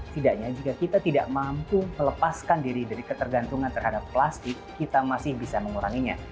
tidaknya jika kita tidak mampu melepaskan diri dari ketergantungan terhadap plastik kita masih bisa menguranginya